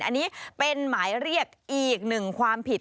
อันนี้เป็นหมายเรียกอีกหนึ่งความผิด